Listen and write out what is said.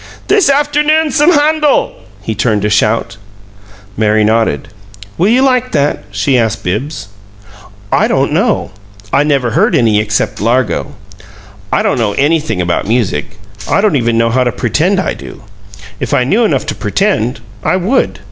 "This afternoon some Handel!" he turned to shout. Mary nodded. "Will you like that?" she asked Bibbs. "I don't know. I never heard any except 'Largo.' I don't know anything about music. I don't even know how to pretend I do. If I knew enough to pretend, I would."